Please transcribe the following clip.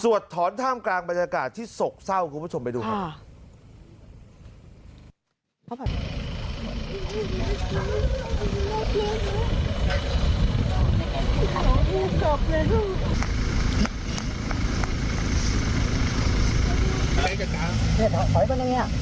ถอนท่ามกลางบรรยากาศที่โศกเศร้าคุณผู้ชมไปดูครับ